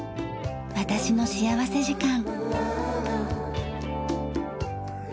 『私の幸福時間』。